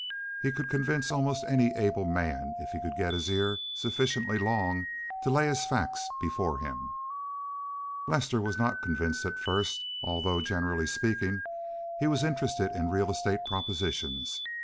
He could convince almost any able man if he could get his ear sufficiently long to lay his facts before him. Lester was not convinced at first, although, generally speaking, he was interested in real estate propositions.